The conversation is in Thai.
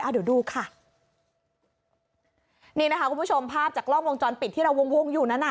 เดี๋ยวดูค่ะนี่นะคะคุณผู้ชมภาพจากกล้องวงจรปิดที่เราวงวงอยู่นั้นอ่ะ